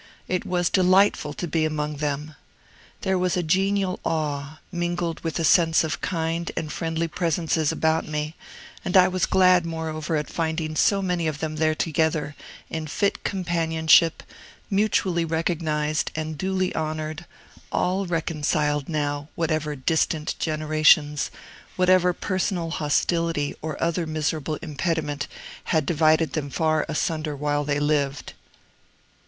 It was delightful to be among them. There was a genial awe, mingled with a sense of kind and friendly presences about me; and I was glad, moreover, at finding so many of them there together, in fit companionship, mutually recognized and duly honored, all reconciled now, whatever distant generations, whatever personal hostility or other miserable impediment, had divided them far asunder while they lived.